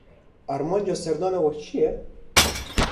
Armanca seredana we çi ye?